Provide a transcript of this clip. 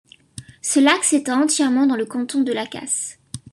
Ce lac s’étend entièrement dans le canton de Lacasse.